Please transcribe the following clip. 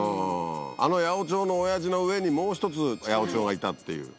あの八百長のオヤジの上にもう１つ八百長がいたっていう。